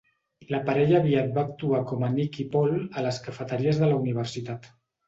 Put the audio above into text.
La parella aviat va actuar com a Nick i Paul a les cafeteries de la universitat.